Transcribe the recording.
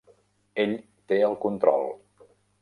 Ell té el control.